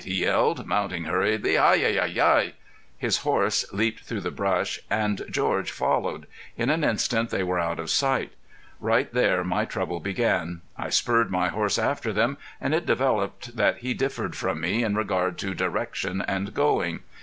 he yelled, mounting hurriedly. "Hi! Hi! Hi!" His horse leaped through the brush, and George followed. In an instant they were out of sight. Right there my trouble began. I spurred my horse after them, and it developed that he differed from me in regard to direction and going.